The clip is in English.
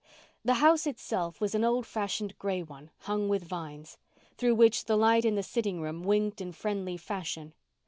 The house itself was an old fashioned gray one, hung with vines, through which the light in the sitting room winked in friendly fashion.